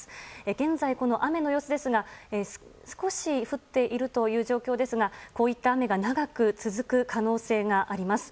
現在、雨の様子ですが少し降っているという状況ですがこういった雨が長く続く可能性があります。